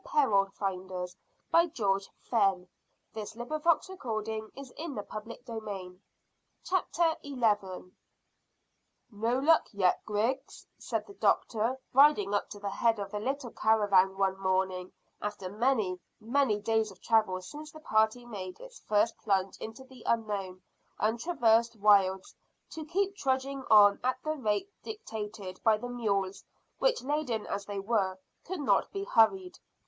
A bite would make him smile and look more handsome than he does now." CHAPTER ELEVEN. NED SEES SOMETHING. "No luck yet, Griggs," said the doctor, riding up to the head of the little caravan one morning, after many, many days of travel since the party made its first plunge into the unknown, untraversed wilds, to keep trudging on at the rate dictated by the mules, which, laden as they were, could not be hurried.